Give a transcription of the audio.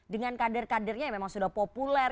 dengan kader kadernya yang memang sudah populer